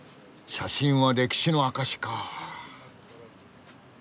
写真は「歴史の証し」かあ。